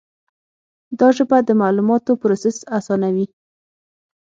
دا ژبه د معلوماتو پروسس آسانوي.